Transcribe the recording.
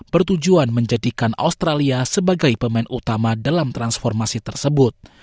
bertujuan menjadikan australia sebagai pemain utama dalam transformasi tersebut